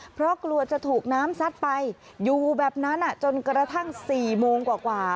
เพราะกลัวจะถูกน้ำซัดไปอยู่แบบนั้นจนกระทั่ง๔โมงกว่า